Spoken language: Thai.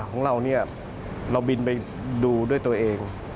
ของเราเนี่ยเราบินไปดูด้วยตัวเอง